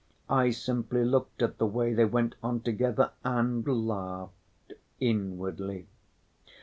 I simply looked at the way they went on together and laughed inwardly.